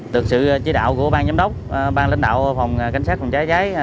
từ sự chế đạo của bang giám đốc bang lãnh đạo phòng cảnh sát phòng cháy trái